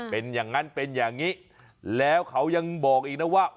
เป็นอย่างนั้นเป็นอย่างนี้แล้วเขายังบอกอีกนะว่า